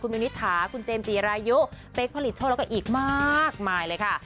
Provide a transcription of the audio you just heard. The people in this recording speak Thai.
มิวนิษฐาคุณเจมสจีรายุเป๊กผลิตโชคแล้วก็อีกมากมายเลยค่ะ